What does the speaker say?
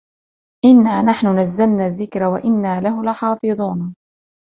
إنا نحن نزلنا الذكر وإنا له لحافظون